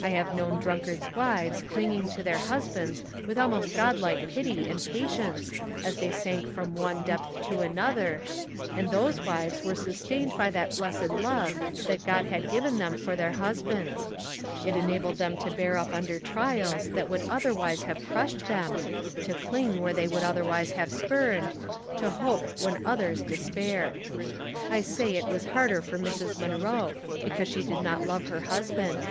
I have known drunkards' wives clinging to their husbands with almost Godlike pity and patience as they sank from one depth to another, and those wives wer^ sustained by that Itlessed love that God had given them for their husljands ; it enabled them to beai up under trials that would otherwise have crushed them, to cling where they would otherwise havt spurned, to hope when others despaired. I saj it was harder for Mrs. Munroe because she did not love her husband.